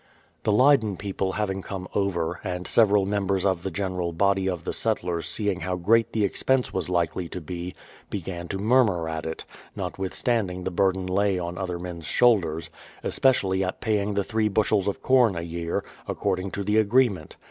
The Leyden people having come over, and several mem bers of the general body of the settlers seeing how great the expense was likely to be, began to murmur at it, not withstanding the burden lay on odier men's shoulders, — especially at paying the three bushels of corn a year, accord ing to the agreement.